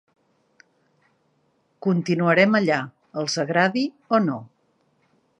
Continuarem allà, els agradi o no.